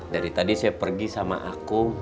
dari tadi saya pergi sama aku